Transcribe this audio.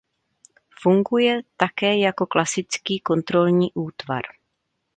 Funguje také jako klasický kontrolní útvar.